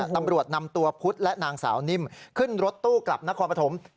ตำรวจนำตัวพุทธและนางสาวนิ่มขึ้นรถตู้กลับนครปฐม